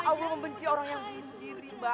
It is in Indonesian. allah membenci orang yang bunuh diri mbak